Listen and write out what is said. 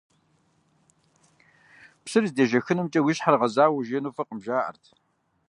Псыр здежэхымкӀэ уи щхьэр гъэзауэ ужеину фӀыкъым, жаӀэрт.